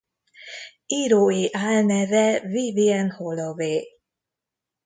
Írói álneve Vivien Holloway.